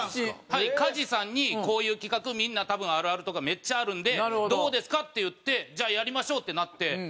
はい加地さんに「こういう企画みんな多分あるあるとかめっちゃあるんでどうですか？」って言って「じゃあやりましょう」ってなって。